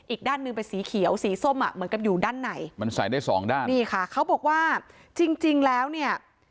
อีกด้านหนึ่งเป็นสีเขียวสีส้มอ่ะเหมือนกับอยู่ด้านในมันใส่ได้สองด้านนี่ค่ะเขาบอกว่าจริงจริงแล้วเนี่ย